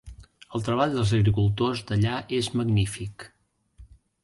El treball dels agricultors d'allà és magnífic.